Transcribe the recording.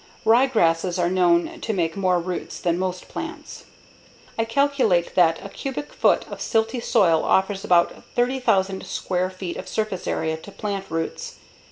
(Ryegrasses are known to make more roots than most plants.) I calculate that a cubic foot of silty soil offers about 30,000 square feet of surface area to plant roots.